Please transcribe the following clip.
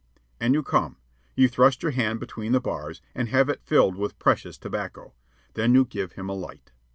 And you come. You thrust your hand between the bars and have it filled with precious tobacco. Then you give him a light.